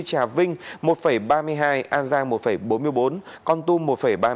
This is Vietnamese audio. trà vinh một ba mươi hai an giang một bốn mươi bốn con tum một ba mươi bốn